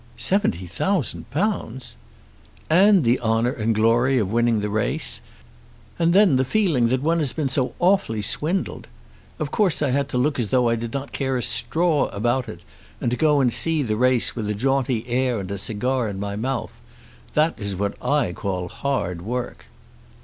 "Seventy thousand pounds!" "And the honour and glory of winning the race! And then the feeling that one had been so awfully swindled! Of course I had to look as though I did not care a straw about it, and to go and see the race, with a jaunty air and a cigar in my mouth. That is what I call hard work."